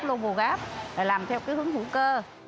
global gap làm theo cái hướng hữu cơ